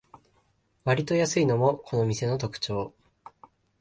わりと安いのもこの店の特長